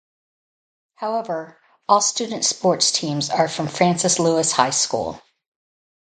However all students sports teams are from Francis Lewis High School.